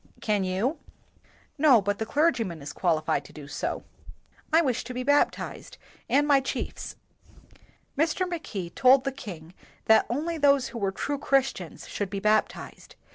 "Can you?" "No, but the clergyman is qualified to do so." "I wish to be baptized and my chiefs." Mr. Mackay told the king that only those who were true Christians should be bap tized.